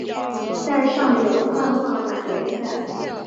在上有漫画版连载。